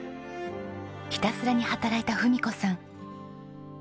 ひたすらに働いた文子さん。